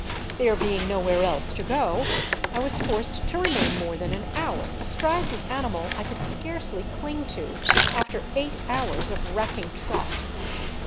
There being nowhere else to go, I was forced to remain more than an hour astride the animal I could scarcely cling to after eight hours of racking trot.